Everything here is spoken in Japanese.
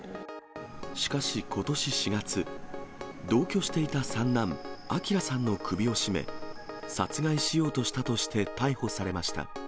しかしことし４月、同居していた三男、昭さんの首を絞め、殺害しようとしたとして逮捕されました。